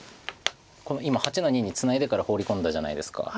今８の二にツナいでからホウリ込んだじゃないですか。